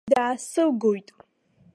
Даасылгоит.